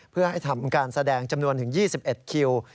เพื่อให้ทำการแสดงจำนวนถึง๒๑คิว